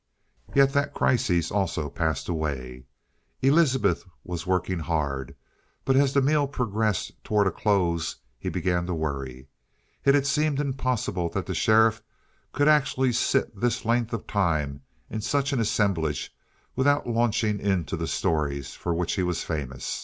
Yet that crisis also passed away. Elizabeth was working hard, but as the meal progressed toward a close, he began to worry. It had seemed impossible that the sheriff could actually sit this length of time in such an assemblage without launching into the stories for which he was famous.